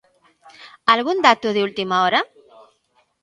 Algún dato de última hora?